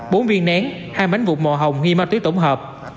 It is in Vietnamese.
bốn viên nén hai bánh vụt màu hồng nghi ma túy tổng hợp